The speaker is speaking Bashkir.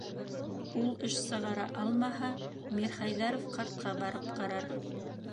Ул эш сығара алмаһа, Мирхәйҙәров ҡартҡа барып ҡарар.